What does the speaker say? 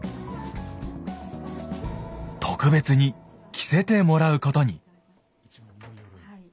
特別に着せてもらうことに。